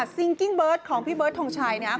ซิงกิ้งเบิร์ตของพี่เบิร์ดทงชัยนะครับ